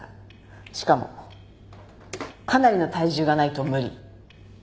しかもかなりの体重がないと無理。